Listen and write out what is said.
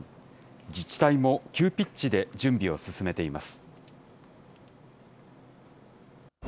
自治体も急ピッチで準備を進めています。